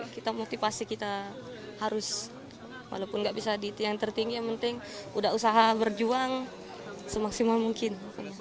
kita motivasi kita harus walaupun nggak bisa yang tertinggi yang penting udah usaha berjuang semaksimal mungkin